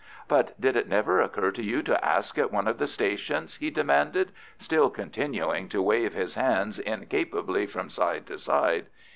"But did it never occur to you to ask at one of the stations?" he demanded, still continuing to wave his hands incapably from side to side.